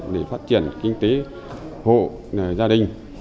để phát triển kinh tế hộ gia đình